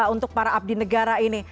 untuk para abdi negara ini